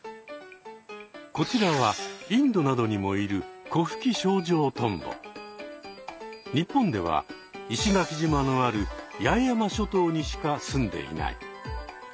こちらはインドなどにもいる日本では石垣島のある八重山諸島にしかすんでいない。